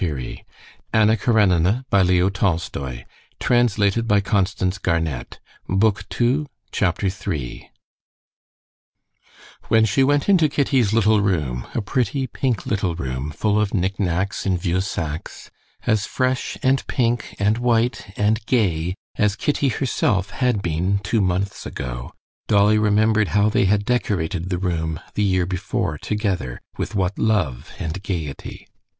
"Mamma, I'll go up to her." "Well, do. Did I tell you not to?" said her mother. Chapter 3 When she went into Kitty's little room, a pretty, pink little room, full of knick knacks in vieux saxe, as fresh, and pink, and white, and gay as Kitty herself had been two months ago, Dolly remembered how they had decorated the room the year before together, with what love and gaiety.